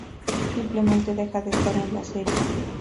Simplemente deja de estar en la serie.